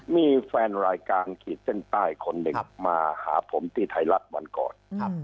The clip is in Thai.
มีแฟนรายการขีดเส้นใต้คนหนึ่งมาหาผมที่ไทยรัฐวันก่อน